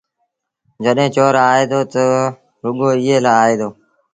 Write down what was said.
جڏهيݩٚ چور آئي دو تا رڳو ايٚئي لآ آئي دو